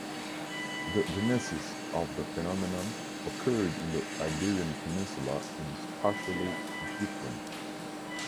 The genesis of the phenomenon occurred in the Iberian Peninsula is partially different.